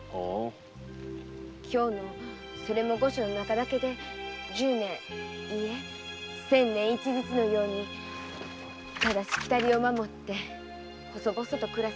京のそれも御所の中だけで十年いえ千年一日のようにただシキタリを守って細々と暮らすなんて。